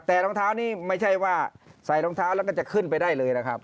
แต่รองเท้านี้ไม่ใช่ว่าใส่รองเท้าแล้วก็จะขึ้นไปได้เลยนะครับ